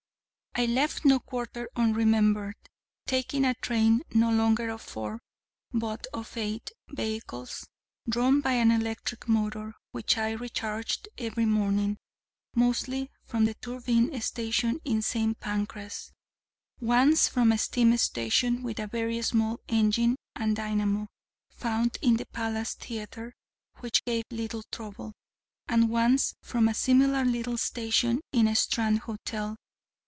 I left no quarter unremembered, taking a train, no longer of four, but of eight, vehicles, drawn by an electric motor which I re charged every morning, mostly from the turbine station in St. Pancras, once from a steam station with very small engine and dynamo, found in the Palace Theatre, which gave little trouble, and once from a similar little station in a Strand hotel.